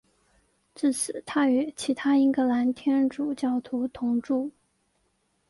自此他与其他英格兰天主教徒同住。